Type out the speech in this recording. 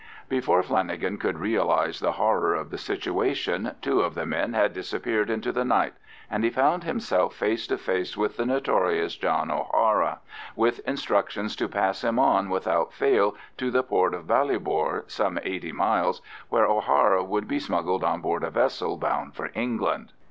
Before Flanagan could realise the horror of the situation, two of the men had disappeared into the night, and he found himself face to face with the notorious John O'Hara, with instructions to pass him on without fail to the port of Ballybor (some eighty miles), where O'Hara would be smuggled on board a vessel bound for England.